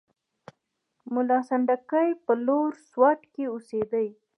ملا سنډکی په لوړ سوات کې اوسېدی.